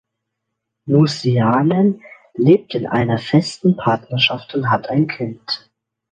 Nousiainen lebt in einer festen Partnerschaft und hat ein Kind.